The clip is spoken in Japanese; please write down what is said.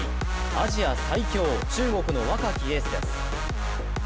アジア最強、中国の若きエースです。